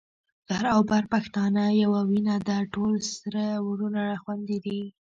لر او بر پښتانه يوه وینه ده، ټول سره وروڼه خويندي دي